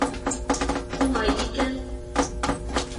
— Улай икән...